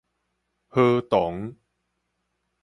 河童